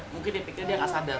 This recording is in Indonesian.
mungkin dia pikir dia nggak sadar